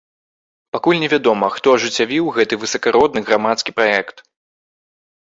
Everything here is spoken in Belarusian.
Пакуль не вядома, хто ажыццявіў гэты высакародны грамадскі праект.